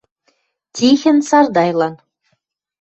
Тихӹн Сардайлан.